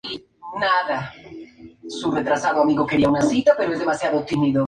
En su juventud jugó al rugby de forma no profesional.